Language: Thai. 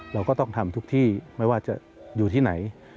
เราก็ต้องทำทุกที่ไม่ว่าจะอยู่ที่ไหน